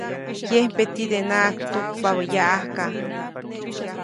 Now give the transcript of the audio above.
Yempe tidenaʼajk tujkpabä yaʼajka.